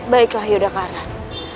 baiklah yodha karat